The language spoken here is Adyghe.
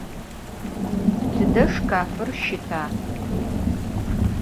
Tıde şşkafır şıta?